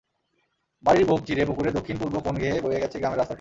বাড়ির বুক চিড়ে পুকুরের দক্ষিণ-পূর্ব কোণ ঘেঁষে বয়ে গেছে গ্রামের রাস্তাটি।